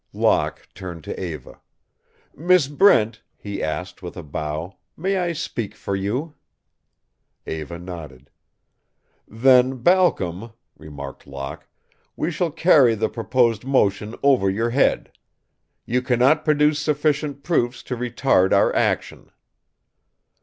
Locke turned to Eva. "Miss Brent," he asked, with a bow, "may I speak for you?" Eva nodded. "Then, Balcom," remarked Locke, "we shall carry the proposed motion over your head. You cannot produce sufficient proofs to retard our action."